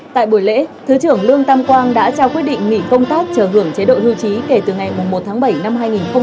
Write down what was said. tại buổi lễ thứ trưởng lương tam quang đã trao quyết định nghỉ công tác chờ hưởng chế độ hưu trí kể từ ngày một tháng bảy năm hai nghìn hai mươi